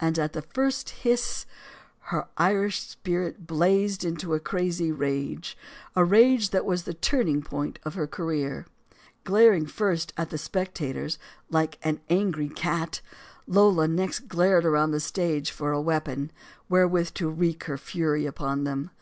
And at the first hiss, her Irish spirit blazed into a crazy rage; a rage that was the turning point of her career. Glaring first at the spectators like an angry cat, Lola next glared around the stage for a weapon where with to wreak her fury upon them.